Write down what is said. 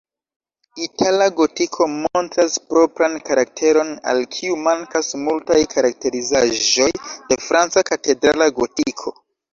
Itala gotiko montras propran karakteron, al kiu mankas multaj karakterizaĵoj de franca katedrala gotiko.